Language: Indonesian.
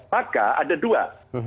maka ada dua